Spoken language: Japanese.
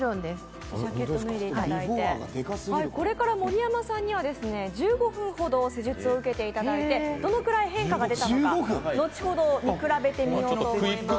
これから盛山さんには１５分ほど、施術を受けていただいてどのくらい変化が出たのか後ほど見比べてみようと思います。